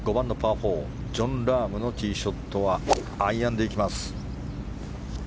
４ジョン・ラームのティーショットアイアンでいきます。